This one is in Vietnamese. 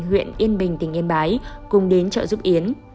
huyện yên bình tỉnh yên bái cùng đến chợ giúp yến